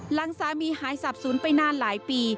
หลังสามีหายสับสนไปนานหลายปี